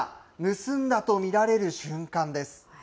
盗んだと見られる瞬間です。